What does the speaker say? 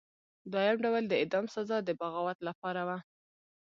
دویم ډول د اعدام سزا د بغاوت لپاره وه.